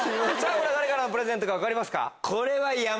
誰からのプレゼントか分かりますか？